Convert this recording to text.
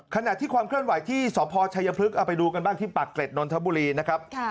ขณะที่ความเคลื่อนไหวที่สพชัยพฤกษ์เอาไปดูกันบ้างที่ปากเกร็ดนนทบุรีนะครับ